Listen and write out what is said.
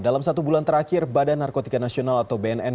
dalam satu bulan terakhir badan narkotika nasional atau bnn